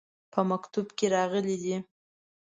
په مکتوب کې راغلي دي.